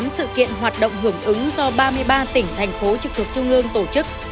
một trăm hai mươi tám sự kiện hoạt động hưởng ứng do ba mươi ba tỉnh thành phố trực thực